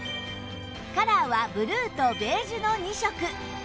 カラーはブルーとベージュの２色